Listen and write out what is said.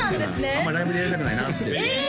あんまライブでやりたくないなってええ！